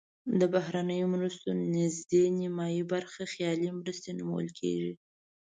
د بهرنیو مرستو نزدې نیمایي برخه خیالي مرستې نومول کیږي.